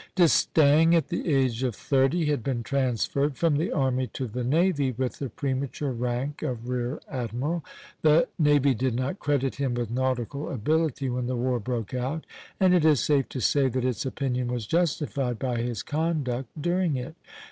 "D'Estaing, at the age of thirty, had been transferred from the army to the navy with the premature rank of rear admiral. The navy did not credit him with nautical ability when the war broke out, and it is safe to say that its opinion was justified by his conduct during it."